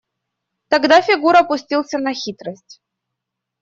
Тогда Фигура пустился на хитрость.